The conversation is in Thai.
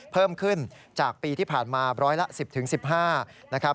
เพิ่มขึ้นจากปีที่ผ่านมาร้อยละ๑๐๑๕นะครับ